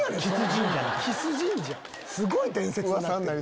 すごい伝説になってるやん！